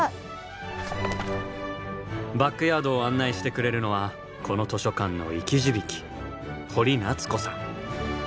バックヤードを案内してくれるのはこの図書館の生き字引堀奈津子さん。